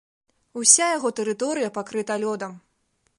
Уся яго тэрыторыя пакрыта лёдам.